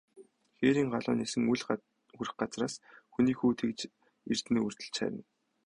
Хээрийн галуу нисэн үл хүрэх газраас, хүний хүү тэгж эрдэнэ өвөртөлж харина.